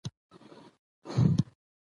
عدد د فعل سره د فعلي ترکیب برخه ګرځي.